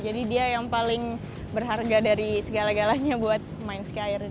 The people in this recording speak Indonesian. jadi dia yang paling berharga dari segala galanya buat main sky iron